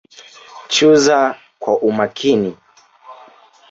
Chuza kwa umakini